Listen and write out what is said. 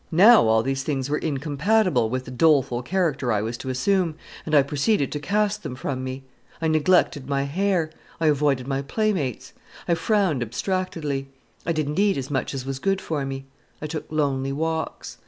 Now all these things were incompatible with the doleful character I was to assume, and I proceeded to cast them from me. I neglected my hair. I avoided my playmates. I frowned abstractedly. I didn't eat as much as was good for me. I took lonely walks.